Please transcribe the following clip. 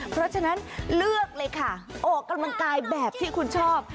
เพราะฉะนั้นเลือกเลยค่ะออกกำลังกายแบบที่คุณชอบ